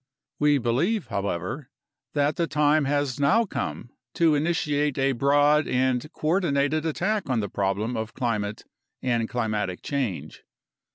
We believe, however, that the time has now come to initiate a broad and coordinated attack on the problem of climate and climatic change.